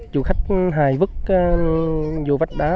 du khách hài vứt vô vách đá